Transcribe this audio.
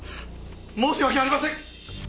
申し訳ありません！